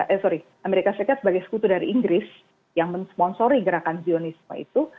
eh sorry amerika serikat sebagai sekutu dari inggris yang mensponsori gerakan zionisme itu